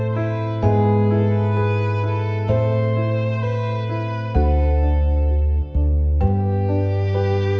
disini lewat tangga